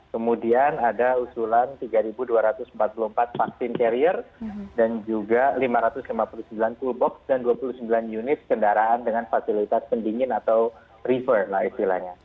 kemudian ada usulan tiga dua ratus empat puluh empat vaksin carrier dan juga lima ratus lima puluh sembilan full box dan dua puluh sembilan unit kendaraan dengan fasilitas pendingin atau rever lah istilahnya